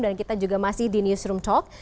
kita juga masih di newsroom talk